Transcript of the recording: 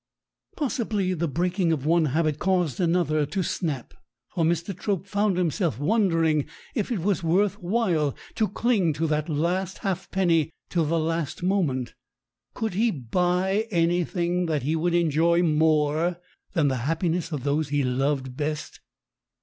Possibly the breaking of one habit caused another to snap, for Mr. Trope found himself wondering if it was worth while to cling to the last halfpenny till the last moment. Could he buy anything that he would enjoy more than the happiness of those he loved best?